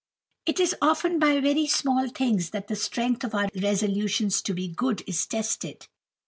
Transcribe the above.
It is often by very small things that the strength of our resolutions to be good is tested.